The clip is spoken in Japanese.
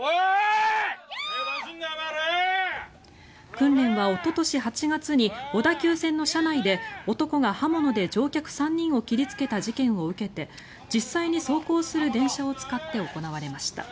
訓練は、おととし８月に小田急線の車内で男が刃物で乗客３人を切りつけた事件を受けて実際に走行する電車を使って行われました。